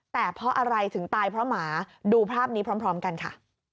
แต่เพราะอะไรถึงตายเพราะหมาดูภาพนี้พร้อมกันค่ะ